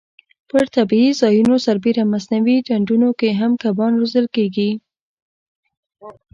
پر طبیعي ځایونو سربېره مصنوعي ډنډونو کې هم کبان روزل کېږي.